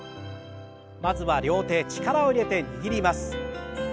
まずは両手力を入れて握ります。